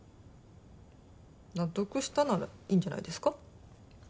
納得したならいいんじゃないですか。